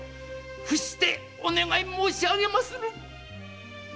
伏してお願い申し上げまする。